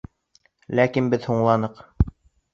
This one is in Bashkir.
Ләкин беҙ һуңланыҡ.